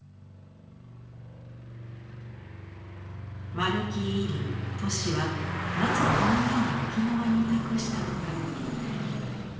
丸木位里・俊はなぜこの絵を沖縄に託したのか。